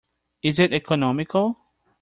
Is it economical?